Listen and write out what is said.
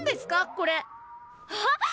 これあっ！